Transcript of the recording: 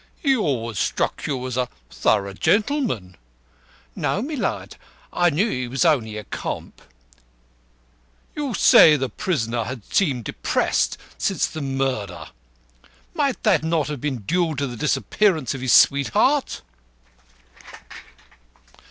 "He always struck you as a thorough gentleman?" "No, my lud. I knew he was only a comp." "You say the prisoner has seemed depressed since the murder. Might not that have been due to the disappearance of his sweetheart?"